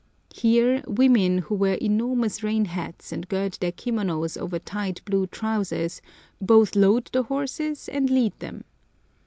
Here, women who wear enormous rain hats and gird their kimonos over tight blue trousers, both load the horses and lead them.